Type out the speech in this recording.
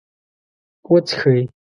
.وڅښئ